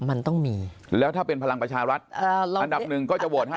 มันต้องมีแล้วถ้าเป็นพลังประชารัฐอันดับหนึ่งก็จะโหวตให้